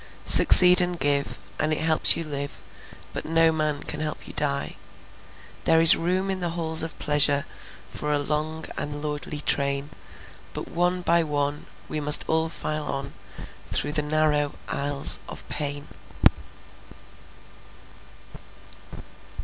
Succeed and give, and it helps you live, But no man can help you die. There is room in the halls of pleasure For a long and lordly train, But one by one we must all file on Through the narrow aisles of pain.